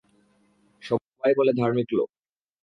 সবাই বলে ধার্মিক লোক।